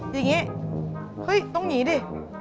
อย่างนี้ต้องหยินดิ